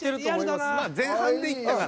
まあ前半でいったから。